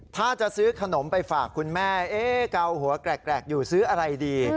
ถ้าจะซื้อขนมไปฝากคุณแม่เกาหัวแกรกอยู่ซื้ออะไรดี